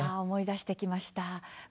思い出してきました。